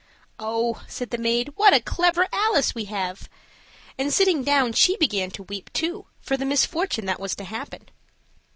"Oh," said the maid, "what a clever Alice we have!" And sitting down, she began to weep, too, for the misfortune that was to happen.